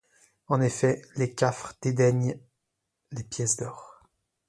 En effet, les Cafres dédaignent les pièces d’or.